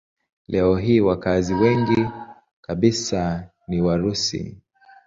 Leo hii wakazi wengi kabisa ni Warusi.